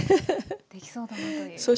できそうだなという。